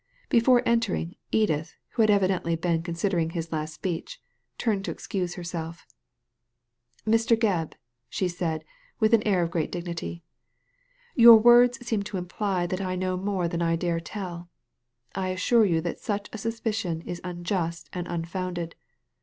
Before entering, Edith, who had evidently been considering his last speech, turned to excuse herselfl '*• Mr. Gebb," she said, with an air of great dignity, " your words seem to imply that I know more than I dare telL I assure you that such a suspicion is unjust and unfounded.